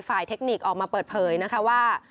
เทคนิคออกมาเปิดเผยนะคะว่า